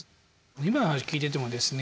今の話聞いててもですね